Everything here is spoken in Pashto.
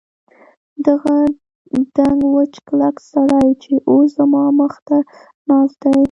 دغه دنګ وچ کلک سړی چې اوس زما مخ ته ناست دی.